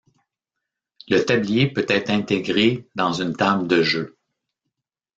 Le tablier peut être intégré dans une table de jeu.